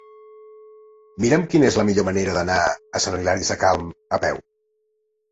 Mira'm quina és la millor manera d'anar a Sant Hilari Sacalm a peu.